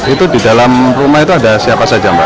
itu di dalam rumah itu ada siapa saja mbak